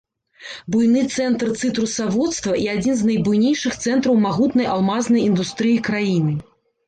Буйны цэнтр цытрусаводства і адзін з найбуйнейшых цэнтраў магутнай алмазнай індустрыі краіны.